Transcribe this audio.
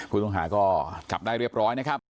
คุณลงหาก็กลับได้เรียบร้อยนะครับ